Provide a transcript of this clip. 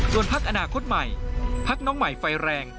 ส่วนพักอนาคตใหม่พักน้องใหม่ไฟแรง